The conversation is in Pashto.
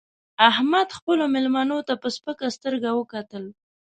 احمد خپلو مېلمنو ته په سپکه سترګه وکتل